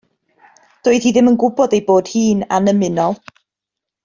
Doedd hi ddim yn gwybod ei bod hi'n annymunol.